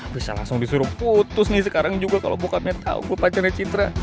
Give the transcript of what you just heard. bisa langsung disuruh putus nih sekarang juga kalo bokapnya tau gue pacarnya citra